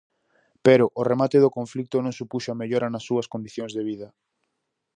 Pero o remate do conflito non supuxo a mellora nas súas condicións de vida.